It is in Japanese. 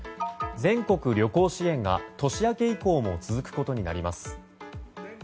全国旅行支援が年明け以降も続くことになります。